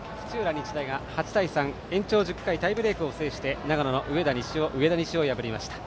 日大が８対３、延長１０回タイブレークを制して長野の上田西を破りました。